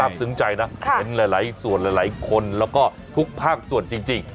ซึ้งใจนะเห็นหลายส่วนหลายคนแล้วก็ทุกภาคส่วนจริง